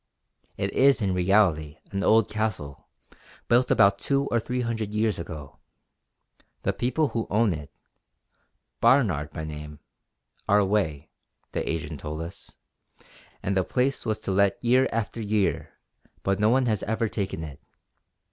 It is in reality an old castle, built about two or three hundred years ago. The people who own it Barnard by name, are away, the agent told us, and the place was to let year after year but no one has ever taken it.